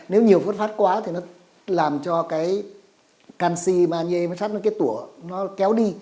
nếu nhiều phốt phát quá thì nó làm cho cái canxi manhê sắt cái tủa nó kéo đi